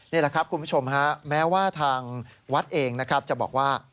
นี่แหละครับคุณผู้ชมฮะแม้ว่าทางวัดเองนะครับจะบอกว่า